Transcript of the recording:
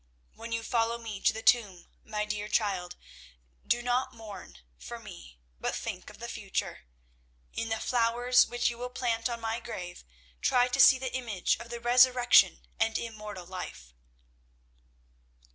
When you follow me to the tomb, my dear child, do not mourn for me, but think of the future. In the flowers which you will plant on my grave, try to see the image of the resurrection and immortal life."